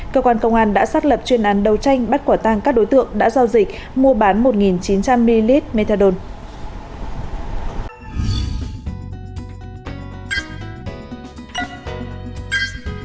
cơ quan công an đã xác lập chuyên án đầu tranh bắt quả tang các đối tượng đã giao dịch mua bán một chín trăm linh ml